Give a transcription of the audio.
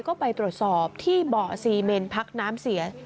ก็ไปตรวจสอบที่เบาะซีเมนพักน้ำเสีย